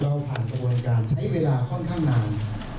ผ่านกระบวนการใช้เวลาค่อนข้างนาน